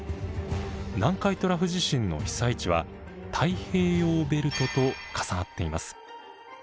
南海トラフ地震の被災地は「太平洋ベルト」と重なっています。